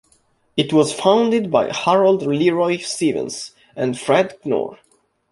It was founded by Harold Leroy Stevens and Fred Knorr.